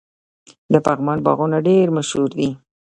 د پغمان باغونه ډیر مشهور دي.